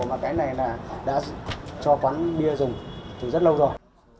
mà cái này là đã cho quán bia dùng từ rất lâu rồi